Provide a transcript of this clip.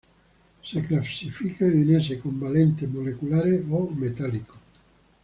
Se clasifican en: s, covalentes, moleculares o metálicos.